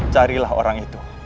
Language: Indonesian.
carilah orang itu